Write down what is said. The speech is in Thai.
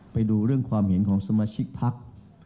ไปดูเรื่องความเห็นของสมาชิกพัก